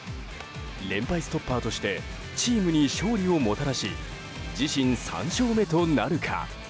連敗ストッパーとしてチームに勝利をもたらし自身３勝目となるか。